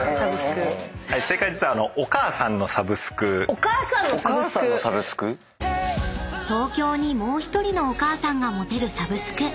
お母さんのサブスク⁉［東京にもう１人のお母さんが持てるサブスク］